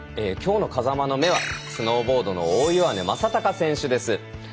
きょうの「風間の目」はスノーボードの大岩根正隆選手です。